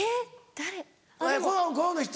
誰？